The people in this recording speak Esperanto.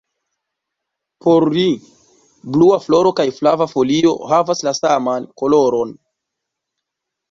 Por ri, blua floro kaj flava folio havas la saman koloron.